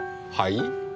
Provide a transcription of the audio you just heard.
はい？